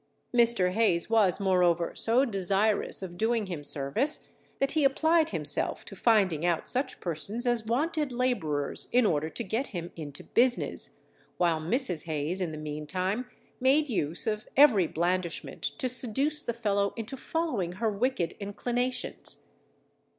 Mr. Hayes was moreover so desirous of doing him service that he applied himself to finding out such persons as wanted labourers in order to get him into business, while Mrs. Hayes, in the meantime, made use of every blandishment to seduce the fellow into following her wicked inclinations.